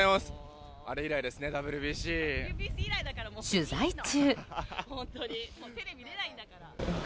取材中。